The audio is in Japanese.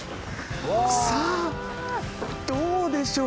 さあ、どうでしょう。